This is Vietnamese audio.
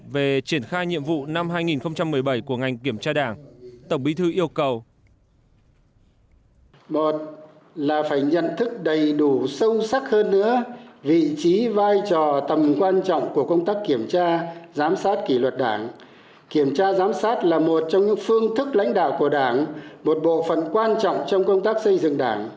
về triển khai nhiệm vụ năm hai nghìn một mươi bảy của ngành kiểm tra đảng tổng bí thư yêu cầu